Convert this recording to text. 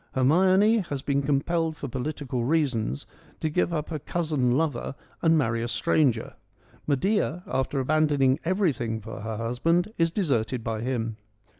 Her mione has been compelled for political reasons to give up her cousin lover and marry a stranger. Medea after abandoning everything for her husband is deserted by him.